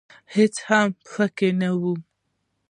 هېڅ هم پکښې نه و .